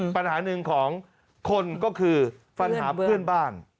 ปัญหาหนึ่งของคนก็คือปัญหาเพื่อนบ้าน